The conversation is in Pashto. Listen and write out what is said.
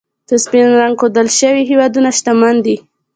په سپین رنګ ښودل شوي هېوادونه، شتمن دي.